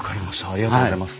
ありがとうございます。